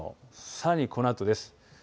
さらに、このあとです。